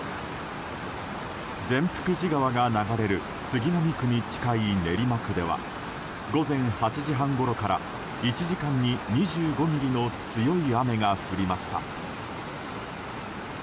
善福寺川が流れる杉並区に近い練馬区では午前８時半ごろから１時間に２５ミリの強い雨が降りました。